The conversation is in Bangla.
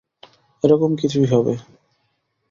এরকম কিছুই হবে।